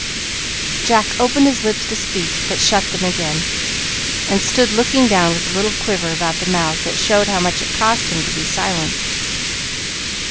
Jack opened his lips to speak, but shut them again, and stood looking down with a little quiver about the mouth that showed how much it cost him to be silent.